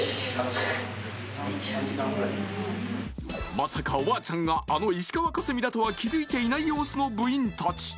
まさかおばあちゃんがあの石川佳純だとは気づいていない様子の部員たち